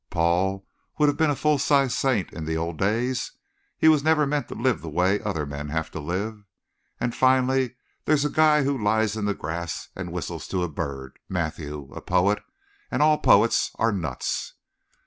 "Paul would have been a full sized saint in the old days. He was never meant to live the way other men have to live. And finally there's a guy who lies in the grass and whistles to a bird Matthew. A poet and all poets are nuts.